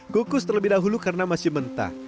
kukus terlebih dahulu karena masih mentah